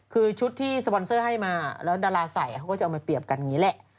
คือชุดที่สปอนเซอร์ให้มาแล้วดาราใส่เขาก็จะเอามาเปรียบกันอย่างนี้แหละ